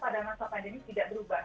dan orang tua